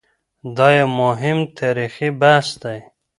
دا یو مهم تاریخي بحث دی.